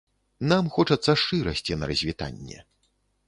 Нам хочацца шчырасці на развітанне.